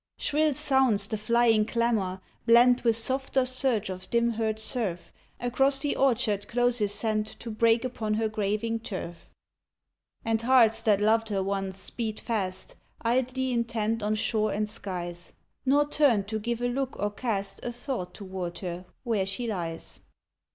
Shrill sounds the flying clamor, blent With softer surge of dim heard surf. Across the orchard closes sent To break upon her graving turf. And hearts that loved her once speed fast, Idly intent on shore and skies, Nor turn to give a look or cast A thought toward her where she lies